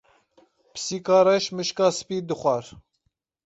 Pisîka reş mişka spî dixwar.